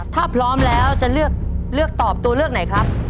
ถ้าพร้อมแล้วจะเลือกเลือกตอบตัวเลือกไหนครับ